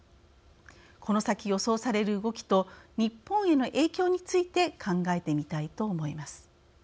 この先、予想される動きと日本への影響について考えてみたいと思います。